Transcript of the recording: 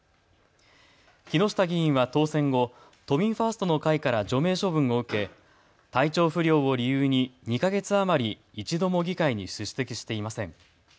木下議員は当選後、都民ファーストの会から除名処分を受け体調不良を理由に２か月余り、一度も議会に出席していません。